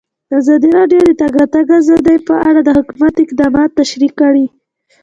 ازادي راډیو د د تګ راتګ ازادي په اړه د حکومت اقدامات تشریح کړي.